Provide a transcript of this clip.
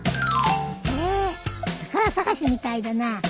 へえ宝探しみたいだな。